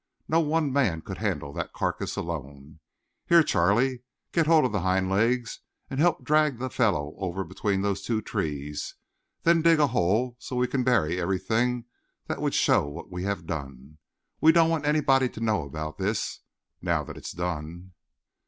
"No one man could handle that carcass alone. Here, Charlie, get hold of the hind legs and help drag the fellow over between those two trees, then dig a hole so we can bury everything that would show what we have done. We don't want anybody to know about this, now that it is done."